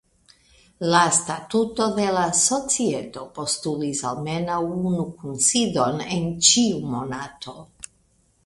La statuto de la societo postulis almenaŭ unu kunsidon en ĉiu monato.